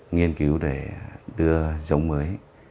nghiên cứu để đưa giống mới